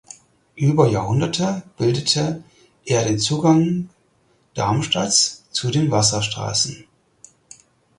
Über Jahrhunderte bildete er den Zugang Darmstadts zu den Wasserstraßen.